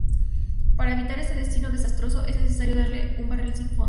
Para evitar este destino desastroso, es necesario darle un barril sin fondo.